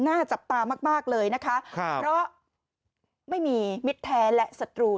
หน้าจับตามากมากเลยนะคะเพราะไม่มีมิตรแท้และศัตรู